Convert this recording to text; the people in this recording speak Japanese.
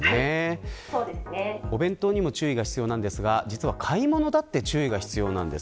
お弁当にも注意が必要なんですが実は買い物だって注意が必要なんです。